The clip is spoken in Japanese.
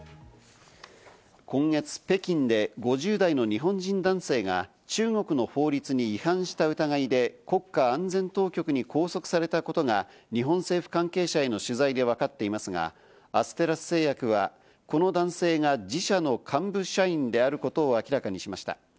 今月、北京で５０代の日本人男性が中国の法律に違反した疑いで国家安全当局に拘束されたことが日本政府関係者への取材でわかっていますが、アステラス製薬はこの男性が自社の幹部社員であることを明らかにしました。